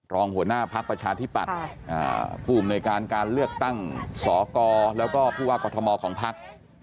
รองหัวหน้าภาคประชาธิบัติภูมิในการเลือกตั้งสอกรแล้วก็ผู้ว่ากฎมอลของภาค